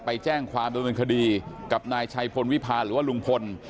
ไปแจ้งความดำเนินคดีกับนายชัยพลวิพาหรือว่าลุงพล